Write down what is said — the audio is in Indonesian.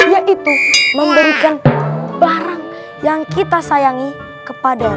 yaitu memberikan barang yang kita sayangi kepada allah